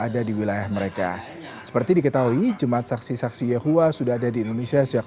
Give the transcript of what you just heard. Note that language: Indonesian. ada di wilayah mereka seperti diketahui jemaat saksi saksi yehua sudah ada di indonesia sejak